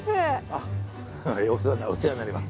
あっお世話になります。